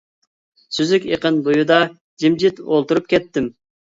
سۈزۈك ئېقىن بويىدا جىمجىت ئولتۇرۇپ كەتتىم.